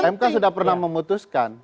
mk sudah pernah memutuskan